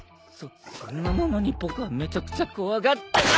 そそんなものに僕はめちゃくちゃ怖がって。